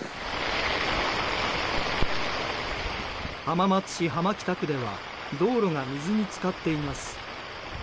浜松市浜北区では道路が水に浸かっています。